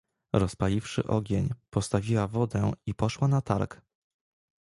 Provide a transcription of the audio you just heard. "Rozpaliwszy ogień, postawiła wodę i poszła na targ."